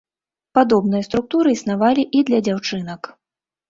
Падобныя структуры існавалі і для дзяўчынак.